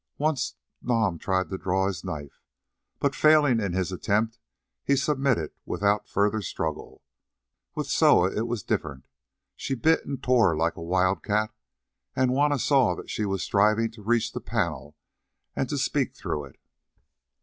Once Nam tried to draw his knife, but failing in his attempt he submitted without further struggle. With Soa it was different. She bit and tore like a wild cat, and Juanna saw that she was striving to reach the panel and to speak through it.